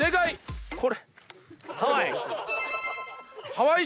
ハワイ！